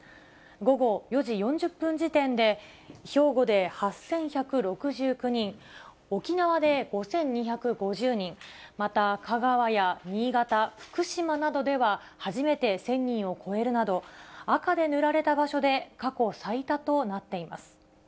午後４時４０分時点で兵庫で８１６９人、沖縄で５２５０人、また、香川や新潟、福島などでは初めて１０００人を超えるなど、赤で塗られた場所で過去最多となっています。